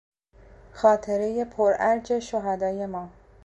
خاطرهی پرارج شهدای ما